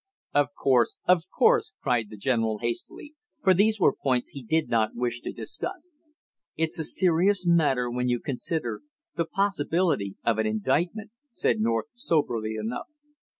"Of course, of course!" cried the general hastily, for these were points he did not wish to discuss. "It's a serious matter when you consider the possibility of an indictment," said North soberly enough.